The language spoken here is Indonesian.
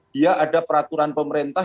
dia ada peraturan pemerintah